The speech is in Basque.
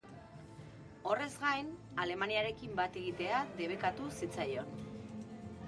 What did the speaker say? Horrez gain, Alemaniarekin bat egitea debekatu zitzaion.